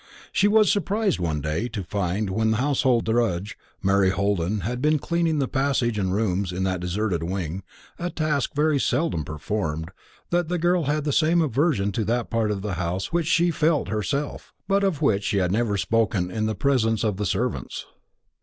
She was surprised to find one day, when the household drudge, Martha Holden, had been cleaning the passage and rooms in that deserted wing a task very seldom performed that the girl had the same aversion to that part of the house which she felt herself, but of which she had never spoken in the presence of the servants.